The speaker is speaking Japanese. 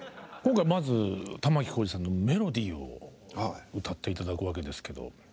今回まず玉置浩二さんの「メロディー」を歌って頂くわけですけど。